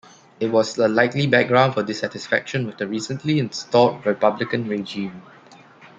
It was a likely background for dissatisfaction with the recently installed Republican regime.